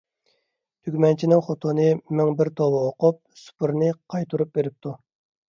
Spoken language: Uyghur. تۈگمەنچىنىڭ خوتۇنى مىڭ بىر توۋا ئوقۇپ، سۇپرىنى قايتۇرۇپ بېرىپتۇ.